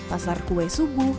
pasar kue subuh